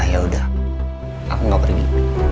ya udah aku gak pergi